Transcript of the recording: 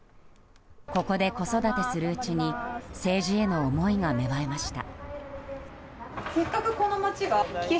ここで子育てするうちに政治への思いが芽生えました。